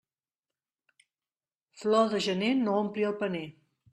Flor de gener no ompli el paner.